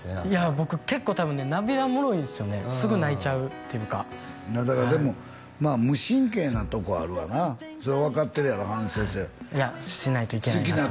僕結構多分ね涙もろいんですよねすぐ泣いちゃうっていうかだからでも無神経なとこあるわなそれ分かってるやろ反省せえしないといけないと思います